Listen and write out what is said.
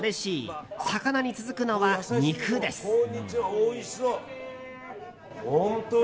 おいしそう！